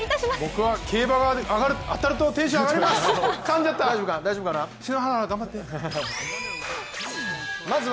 僕は競馬が当たるとテンションが上がります！